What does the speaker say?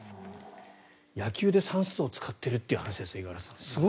野球で算数を使っているという話ですよ、五十嵐さん。